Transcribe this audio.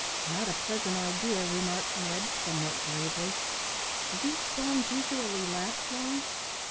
"Not a pleasant idea," remarked Ned, somewhat gravely. "Do these storms usually last long?"